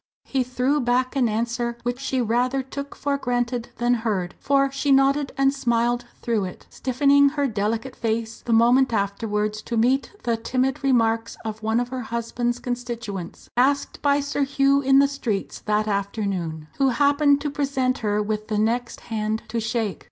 He threw back an answer which she rather took for granted than heard, for she nodded and smiled through it stiffening her delicate face the moment afterwards to meet the timid remarks of one of her husband's constituents asked by Sir Hugh in the streets that afternoon who happened to present her with the next hand to shake.